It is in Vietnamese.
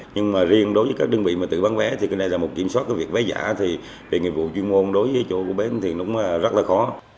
nhưng mà riêng đối với các đơn vị mà tự bán vé thì cái này là một kiểm soát cái việc vé giả thì về nghiệp vụ chuyên môn đối với chỗ của bến thì cũng rất là khó